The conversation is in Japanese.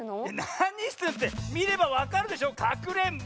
なにしてるってみればわかるでしょかくれんぼ！